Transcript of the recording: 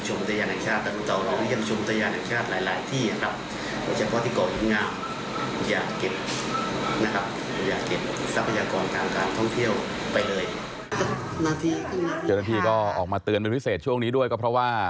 เชื่อนาธริกออกมาเตือนเป็นพิเศษช่วงนี้ก็เพราะว่า